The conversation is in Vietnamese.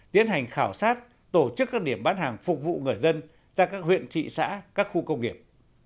tiến hành khảo sát tổ chức các điểm bán hàng phục vụ người dân ra các huyện thị xã các khu công nghiệp